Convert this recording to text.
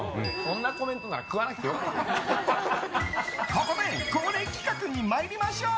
ここで恒例企画に参りましょう。